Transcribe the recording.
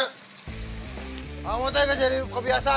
kamu tuh gak jadi kebiasaan